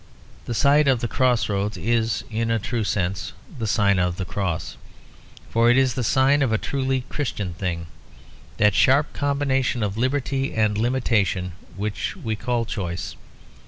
The sight of the cross roads is in a true sense the sign of the cross. For it is the sign of a truly Christian thing; that sharp combination of liberty and limitation which we call choice.